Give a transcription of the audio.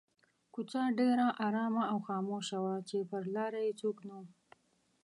کوڅه ډېره آرامه او خاموشه وه چې پر لاره یې څوک نه وو.